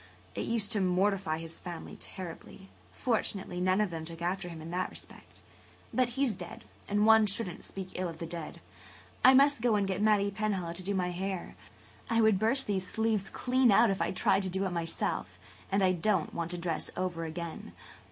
It used to mortify his family terribly. Fortu [Page 144] nately, none of them took after him in that respect. But he's dead–and one shouldn't speak ill of the dead. I must go and get Mattie Penhallow to do my hair. I would burst these sleeves clean out if I tried to do it myself and I don't want to dress over again.